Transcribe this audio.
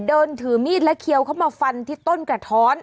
เดินถือมีดและเคี้ยวเข้ามาฟันที่ต้นกระท้อน